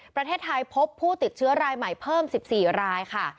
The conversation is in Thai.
ประเทศไทยพบผู้ติดเชื้อรายใหม่เพิ่ม๑๔รายค่ะ